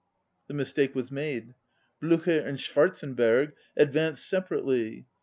The mistake was made; Bl├╝cher and Schwarzenberg advanced sepa rately.